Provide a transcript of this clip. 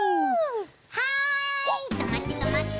・はいとまってとまって！